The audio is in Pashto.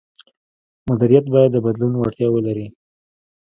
مدیریت باید د بدلون وړتیا ولري.